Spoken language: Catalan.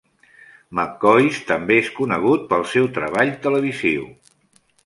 McCoist també és conegut pel seu treball televisiu.